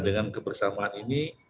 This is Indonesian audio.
dengan kebersamaan ini